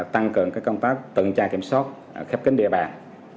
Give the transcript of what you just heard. tăng cường công tác tuần tra kiểm soát khép kính địa bàn